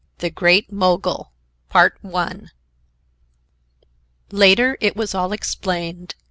THE GREAT MOGUL Later, it was all explained.